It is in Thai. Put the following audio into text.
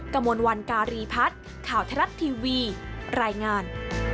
กระมวลวันการีพัฒน์ข่าวทรัฐทีวีรายงาน